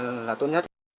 đó là tốt nhất